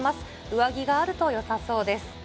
上着があるとよさそうです。